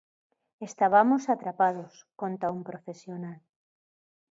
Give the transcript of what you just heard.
Estabamos atrapados, conta un profesional.